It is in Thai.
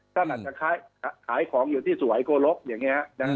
ท่านอาจจะขายของอยู่ที่สวยโกรกอย่างเนี่ยนะครับ